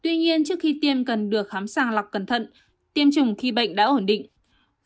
tuy nhiên trước khi tiêm cần được khám sàng lọc cẩn thận tiêm chủng khi bệnh đã ổn định